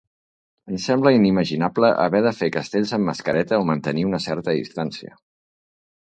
Ens sembla inimaginable haver de fer castells amb mascareta o mantenint una certa distància.